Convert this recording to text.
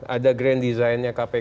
ada grand design nya kami